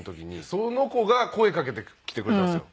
その子が声かけてきてくれたんですよ